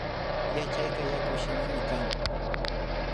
Yachayka yakushinami kan